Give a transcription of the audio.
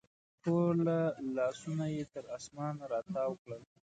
ټوله لاسونه یې تر اسمان راتاو کړل